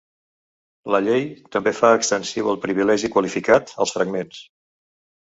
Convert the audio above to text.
La Llei també fa extensiu el privilegi qualificat als fragments.